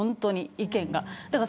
意見が。